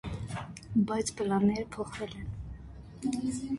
Բայց պլանները փոխվել են։